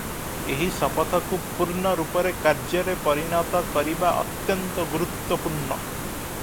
ଏହି ଶପଥକୁ ପୂର୍ଣ୍ଣରୂପରେ କାର୍ଯ୍ୟରେ ପରିଣତ କରିବା ଅତ୍ୟନ୍ତ ଗୁରୁତ୍ତ୍ୱପୂର୍ଣ୍ଣ ।